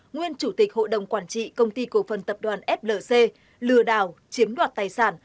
nguyên chủ tịch hội đồng quản trị công ty cổ phần tập đoàn flc lừa đảo chiếm đoạt tài sản